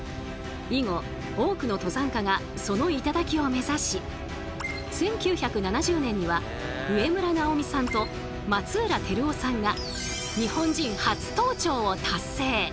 以後多くの登山家がその頂を目指し１９７０年には植村直己さんと松浦輝夫さんが日本人初登頂を達成！